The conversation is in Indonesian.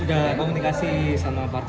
sudah komunikasi sama partai